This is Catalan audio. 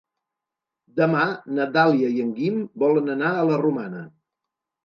Demà na Dàlia i en Guim volen anar a la Romana.